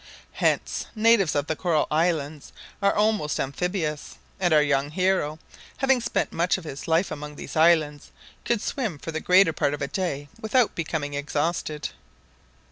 Hence natives of the coral islands are almost amphibious, and our young hero, having spent much of his life among these islands, could swim for the greater part of a day without becoming exhausted.